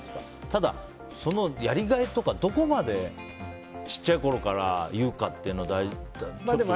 ただ、そのやりがいとかどこまでちっちゃいころから言うかっていうのは、ちょっと。